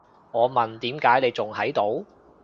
我問，點解你仲喺度？